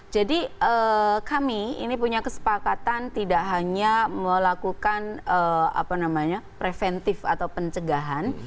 jadi kami ini punya kesepakatan tidak hanya melakukan preventif atau pencegahan